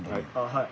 はい。